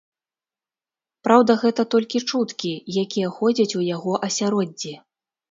Праўда, гэта толькі чуткі, якія ходзяць у яго асяроддзі.